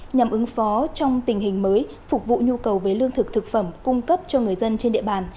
nhằm ứng phó trong tình hình mới phục vụ nhu cầu về lương thực thực phẩm cung cấp cho người dân trên địa bàn